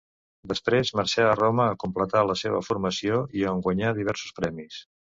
Després marxà a Roma a completar la seva formació i on guanyà diversos premis.